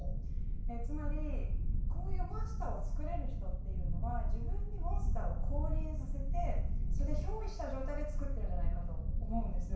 つまりこういうモンスターを作れる人っていうのは自分にモンスターを降臨させてそれで憑依した状態で作ってるんじゃないかと思うんです。